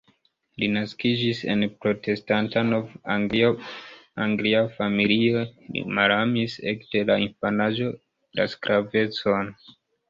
Li naskiĝis en protestanta nov-anglia familio, li malamis ekde la infanaĝo la sklavecon.